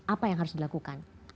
apa yang harus dilakukan